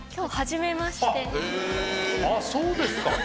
あっそうですか。